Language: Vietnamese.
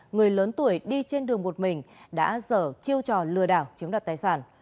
người lớn tuổi đi trên đường một mình đã dở chiêu trò lừa đảo chiếm đoạt tài sản